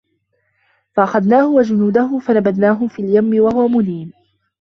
فَأَخَذناهُ وَجُنودَهُ فَنَبَذناهُم فِي اليَمِّ وَهُوَ مُليمٌ